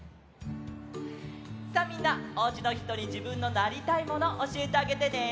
さあみんなおうちのひとにじぶんのなりたいものおしえてあげてね。